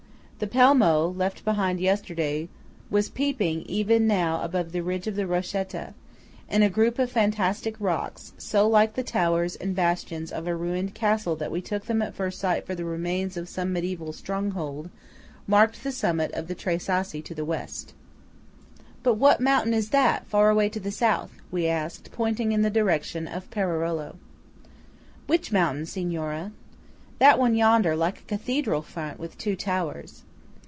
The Pelmo, left behind yesterday, was peeping even now above the ridge of the Rochetta; and a group of fantastic rocks, so like the towers and bastions of a ruined castle that we took them at first sight for the remains of some mediæval stronghold, marked the summit of the Tre Sassi to the West. "But what mountain is that far away to the South?" we asked, pointing in the direction of Perarolo. "Which mountain, Signora?" "That one yonder, like a cathedral front with two towers."